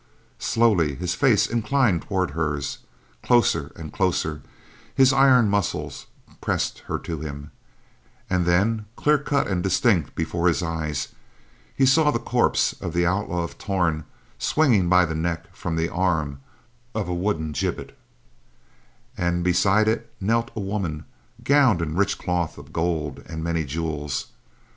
Slowly, his face inclined toward hers, closer and closer his iron muscles pressed her to him, and then, clear cut and distinct before his eyes, he saw the corpse of the Outlaw of Torn swinging by the neck from the arm of a wooden gibbet, and beside it knelt a woman gowned in rich cloth of gold and many jewels.